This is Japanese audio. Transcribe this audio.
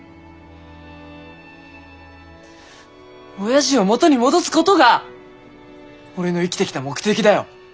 おやじを元に戻すごどが俺の生きてきた目的だよ。